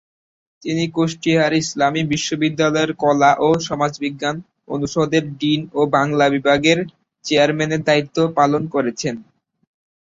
তিনি কুষ্টিয়ার ইসলামী বিশ্ববিদ্যালয়ের কলা ও সমাজবিজ্ঞান অনুষদের ডিন ও বাংলা বিভাগের চেয়ারম্যানের দায়িত্ব পালন করেছেন।